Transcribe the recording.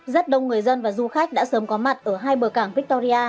rất đông người dân và du khách đã sớm có mặt ở hai bờ cảng victoria